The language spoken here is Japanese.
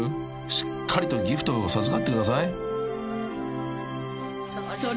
［しっかりとギフトを授かってください］